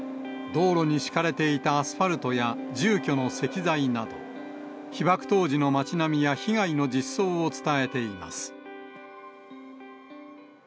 道路に敷かれていたアスファルトや住居の石材など、被爆当時の町並みや被害の実相を伝えています。